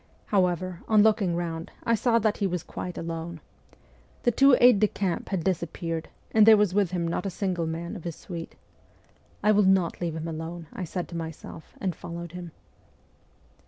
However, on looking round, I saw that he was quite alone. The two aides de camp had disappeared, and there was with him not a single man of his suite. ' I will not leave him alone !' I said to myself, and followed him.